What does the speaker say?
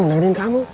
di mana yang berbicara